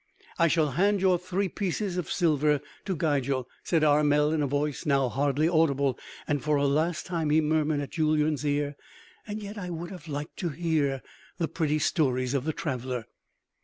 "I shall hand your three pieces of silver to Gigel," said Armel in a voice now hardly audible; and for a last time he murmured at Julyan's ear: "And yet ... I would ... have liked ... to hear ... the pretty stories ... of ... the traveler."